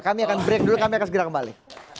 kami akan break dulu kami akan segera kembali